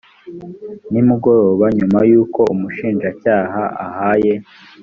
nimugoroba nyuma y uko umushinjacyaha ahaye